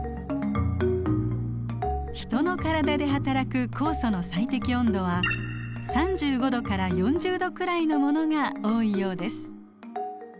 ヒトの体ではたらく酵素の最適温度は３５℃から４０℃くらいのものが多いようです。